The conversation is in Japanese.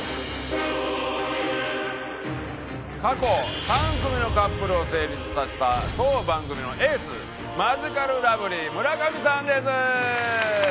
過去３組のカップルを成立させた当番組のエースマヂカルラブリー村上さんです！